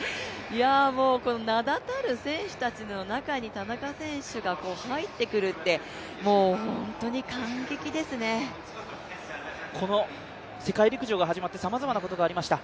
名だたる選手たちの中に田中選手が入ってくるってこの世界陸上が始まって、さまざまなことがありました。